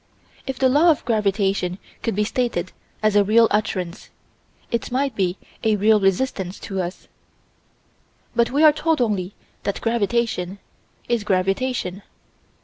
If the Law of Gravitation could be stated as a real utterance, it might be a real resistance to us. But we are told only that gravitation is gravitation.